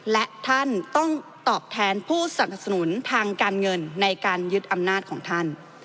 และท่านต้องตอบแทนผู้สนับสนุนทางการเงินในการยึดอำนาจของท่าน